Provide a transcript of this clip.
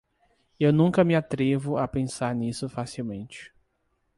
Eu nunca me atrevo a pensar nisso facilmente